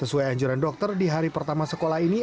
sesuai anjuran dokter di hari pertama sekolah ini